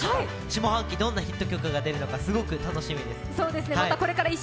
下半期どんな曲が生まれるのかすごく楽しみです。